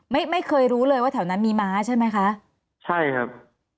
ไม่เคยรู้เลยว่าแถวนั้นมีม้าใช่ไหมคะใช่ครับ